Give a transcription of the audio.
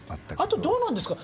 あとどうなんですか？